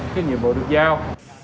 cái nhiệm vụ được giao